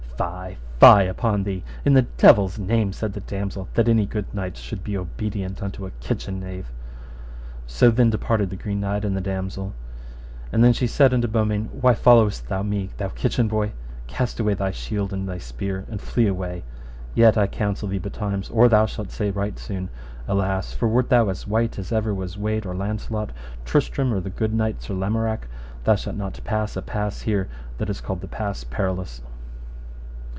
Fie, fie upon thee, in the devil's name, said the damosel, that any good knights should be obedient unto a kitchen knave. So then departed the Green Knight and the damosel. And then she said unto Beaumains, Why followest thou me, thou kitchen boy? Cast away thy shield and thy spear, and flee away; yet I counsel thee betimes or thou shalt say right soon, alas; for wert thou as wight as ever was Wade or Launcelot, Tristram, or the good knight Sir Lamorak, thou shalt not pass a pass here that is called the Pass Perilous.